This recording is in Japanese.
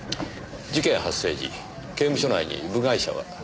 事件発生時刑務所内に部外者は？